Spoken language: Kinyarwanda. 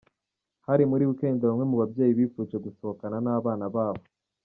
Hari muri week end, bamwe mu babyeyi bifuje gusohokana n'abana babo.